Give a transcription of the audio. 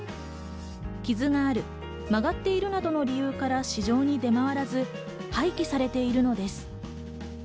傷がある、曲がっているなどの理由から市場に出回らず廃棄されているのです。